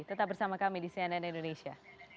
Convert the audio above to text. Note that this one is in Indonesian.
tetap bersama kami di cnn indonesia